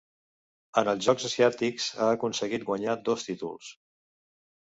En els Jocs Asiàtics ha aconseguit guanyar dos títols.